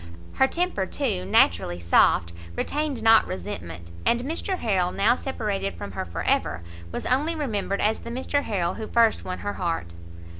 Her temper, too, naturally soft, retained not resentment, and Mr Harrel, now separated from her for ever, was only remembered as the Mr Harrel who first won her heart.